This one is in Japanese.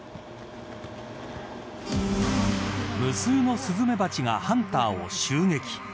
無数のスズメバチがハンターを襲撃。